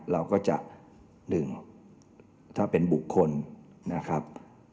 เราก็จะ๑ถ้าเป็นบุคคลนะครับ